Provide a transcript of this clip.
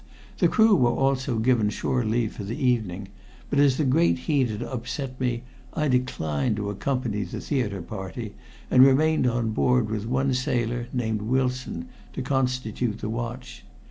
The crew were also given shore leave for the evening, but as the great heat had upset me I declined to accompany the theater party, and remained on board with one sailor named Wilson to constitute the watch.